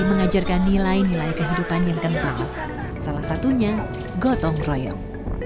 mengajarkan nilai nilai kehidupan yang kental salah satunya gotong royong